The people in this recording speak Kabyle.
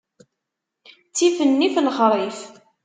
Ttif nnif, lexṛif.